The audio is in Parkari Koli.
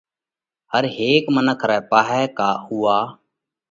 هر هيڪ منک رئہ پاهئہ ڪا اُوئا